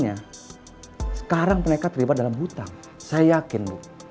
lagian gak ada salahnya kan